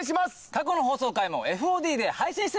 過去の放送回もＦＯＤで配信してます。